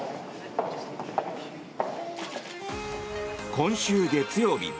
今週月曜日